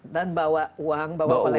dan bawa uang bawa oleh oleh